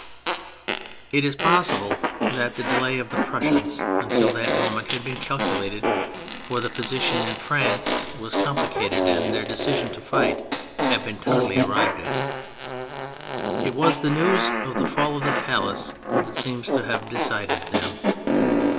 It is possible that the delay of the Prussians until that moment had been calculated, for the position in France was complicated and their decision to fight had been tardily arrived 118 THE FRENCH REVOLUTION at. It was the news of the fall of the palace that seems to have decided them.